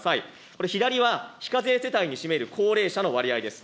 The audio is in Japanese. これ、左は非課税世帯に占める高齢者の割合です。